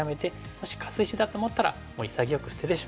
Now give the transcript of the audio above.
もしカス石だと思ったらもう潔く捨ててしまう。